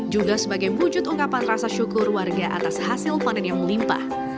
juga sebagai wujud ungkapan rasa syukur warga atas hasil panen yang melimpah